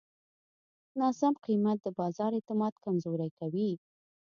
ناسم قیمت د بازار اعتماد کمزوری کوي.